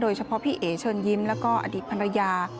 พี่เอ๋เชิญยิ้มแล้วก็อดีตภรรยา